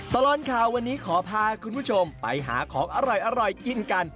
ตลอดข่าววันนี้ขอพาคุณผู้ชมไปหาของอร่อยกินกัน